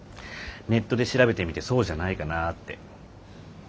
ネットで調べてみてそうじゃないかなって。